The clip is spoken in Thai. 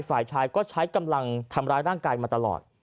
ฝ่ายชายก็ใช้กำลังทำร้ายร่างกายมาตลอด